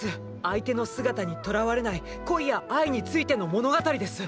相手の姿にとらわれない恋や愛についての物語です！